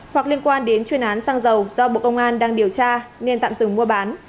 hoặc liên quan đến chuyên án xăng dầu do bộ công an đang điều tra nên tạm dừng mua bán